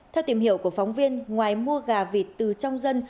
theo tìm hiểu của phóng viên ngoài mua gà vịt từ trong dân